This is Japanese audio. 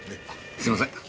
すいません。